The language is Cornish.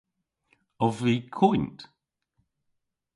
Ov vy koynt?